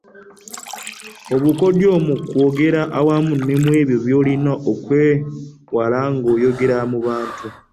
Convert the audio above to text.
Obukodyo mu kwogera wamu n’ebyo by’olina okwewala ng’oyogera mu bantu.